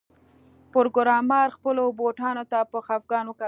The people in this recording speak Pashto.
پروګرامر خپلو بوټانو ته په خفګان وکتل